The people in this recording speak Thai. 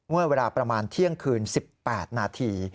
เมื่อเวลาประมาณเที่ยงคืน๑๘นาที